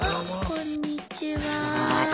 こんにちは。